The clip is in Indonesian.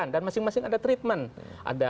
dan masing masing ada treatment